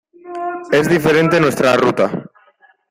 es diferente nuestra ruta.